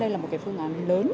đây là một phương án lớn